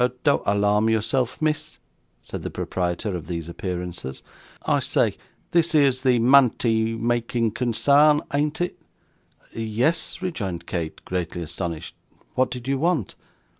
'Don't alarm yourself, miss,' said the proprietor of these appearances. 'I say; this here's the mantie making consarn, an't it?' 'Yes,' rejoined Kate, greatly astonished. 'What did you want?